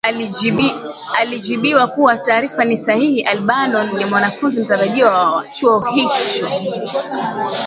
alijibiwa kuwa taarifa ni sahihi Albalo ni mwanafunzi mtarajiwa wa chou hiko